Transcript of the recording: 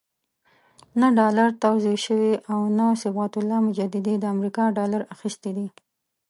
نه ډالر توزیع شوي او نه صبغت الله مجددي د امریکا ډالر اخیستي دي.